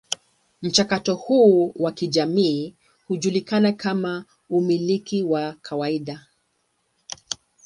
Mchakato huu wa kijamii hujulikana kama umiliki wa kawaida.